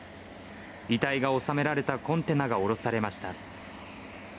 遺体が納められたコンテナが降ろされました。